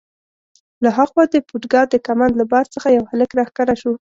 له ها خوا د پودګا د کمند له بار څخه یو هلک راښکاره شو.